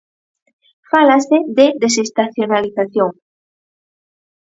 Fálase de desestacionalización.